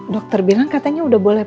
dokter bilang katanya udah boleh